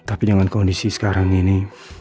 tapi dengan kondisi sekarang ini